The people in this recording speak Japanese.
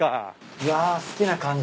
うわ好きな感じ。